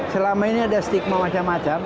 selama ini ada stigma macam macam